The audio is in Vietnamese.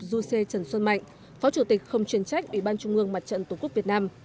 du sê trần xuân mạnh phó chủ tịch không chuyên trách ủy ban trung ương mặt trận tổ quốc việt nam